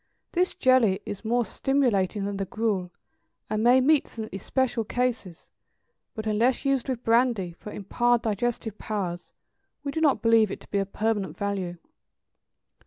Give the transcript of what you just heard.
This jelly is more stimulating than the gruel, and may meet some especial cases; but, unless used with brandy, for impaired digestive powers, we do not believe it to be of permanent value.